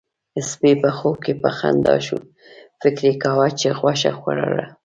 سپي په خوب کې په خندا شو، فکر يې کاوه چې غوښه خوړله.